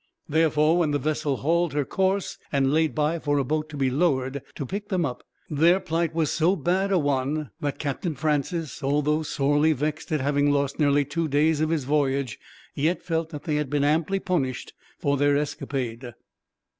Therefore when the vessel hauled her course, and laid by for a boat to be lowered to pick them up, their plight was so bad a one that Captain Francis, although sorely vexed at having lost near two days of his voyage, yet felt that they had been amply punished for their escapade.